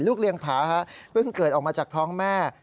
เลี้ยงผาเพิ่งเกิดออกมาจากท้องแม่